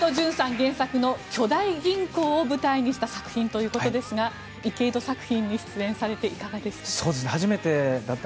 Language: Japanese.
原作の巨大銀行を舞台にした作品ということですが池井戸作品に出演されていかがでしたか？